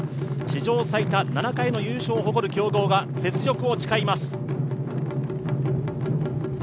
史上最多７回の優勝を誇る強豪が雪辱を誓います。